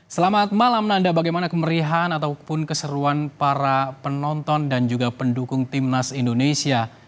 selamat malam nanda bagaimana kemerihan ataupun keseruan para penonton dan juga pendukung timnas indonesia